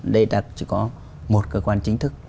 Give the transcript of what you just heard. đây ta chỉ có một cơ quan chính thức